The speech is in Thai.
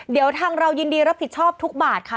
เดี๋ยวทางเรายินดีรับผิดชอบทุกบาทค่ะ